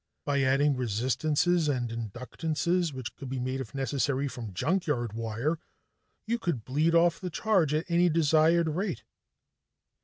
By adding resistances and inductances, which could be made if necessary from junkyard wire, you could bleed off the charge at any desired rate.